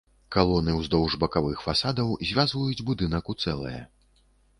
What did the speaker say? Калоны ўздоўж бакавых фасадаў звязваюць будынак у цэлае.